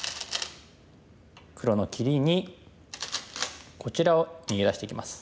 黒の切りにこちらを逃げ出していきます。